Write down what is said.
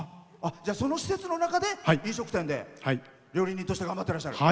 その施設の中で飲食店で料理人として頑張っていらっしゃる。